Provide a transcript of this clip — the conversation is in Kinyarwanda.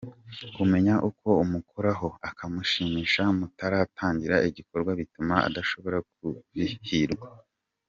Kumenya uko umukoraho, ahamushimisha mutaratangira igikorwa bituma adashobora kubihirwa.